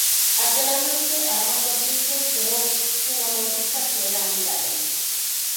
Aquela noite Armando Pintos ceou cunha modista que era amiga del.